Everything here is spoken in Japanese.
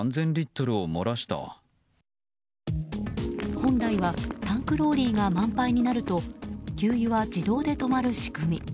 本来はタンクローリーが満杯になると給油は自動で止まる仕組み。